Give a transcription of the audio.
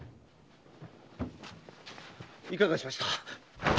いかがしました